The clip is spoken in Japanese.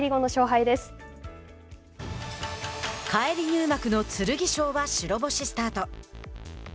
返り入幕の剣翔は白星スタート。